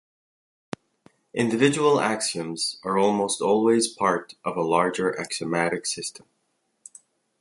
Individual axioms are almost always part of a larger axiomatic system.